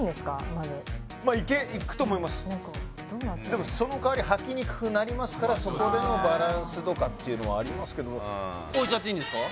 まずまあいけいくと思いますでもその代わりはきにくくなりますからそこでのバランスとかっていうのはありますけどもう置いちゃっていいんですか？